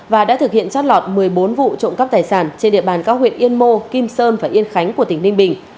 và đã thực hiện trót lọt một mươi bốn vụ trộm cắp tài sản trên địa bàn các huyện yên mô kim sơn và yên khánh của tỉnh ninh bình